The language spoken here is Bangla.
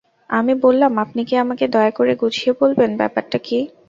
আমি বললাম, আপনি কি আমাকে দয়া করে গুছিয়ে বলবেন, ব্যাপারটা কী?